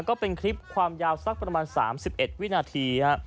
ก็เป็นคลิปความยาวสักประมาณ๓๑วินาที